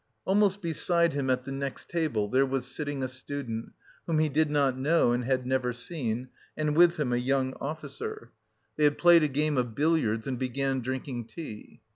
Almost beside him at the next table there was sitting a student, whom he did not know and had never seen, and with him a young officer. They had played a game of billiards and began drinking tea.